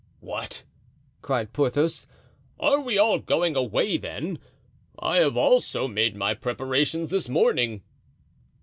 "What!" cried Porthos, "are we all going away, then? I also have made my preparations this morning."